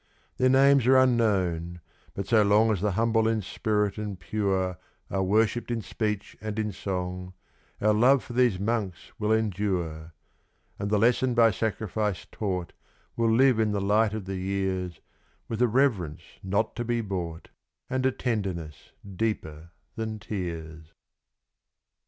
Their names are unknown; but so long as the humble in spirit and pure Are worshipped in speech and in song, our love for these monks will endure; And the lesson by sacrifice taught will live in the light of the years With a reverence not to be bought, and a tenderness deeper than tears.